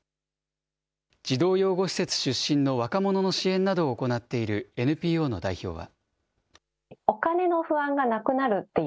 児童養護施設出身の若者の支援などを行っているＮＰＯの代表は。